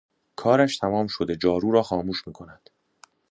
کارش تمام شده جارو را خاموش میکند